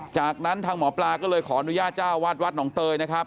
จากนั้นทางหมอปลาก็เลยขออนุญาตเจ้าวาดวัดหนองเตยนะครับ